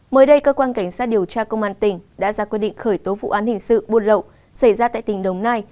mới đây cơ quan cảnh sát điều tra công an tỉnh đã ra quyết định khởi tố vụ án hình sự buôn lậu xảy ra tại tỉnh đồng nai